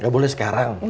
gak boleh sekarang